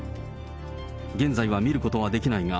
現在は見ることができないが、